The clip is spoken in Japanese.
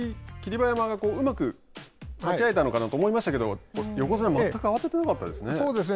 馬山がうまく立ち合えたのかなと思いましたけど横綱全く慌ててなかったですね。